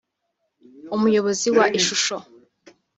umuyobozi wa Ishusho